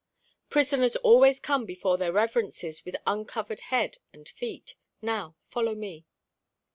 "Prisoners always come before their reverences with uncovered head and feet. Now follow me."